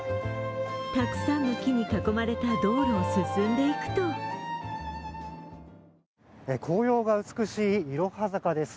たくさんの木に囲まれた道路を進んでいくと紅葉が美しい、いろは坂です。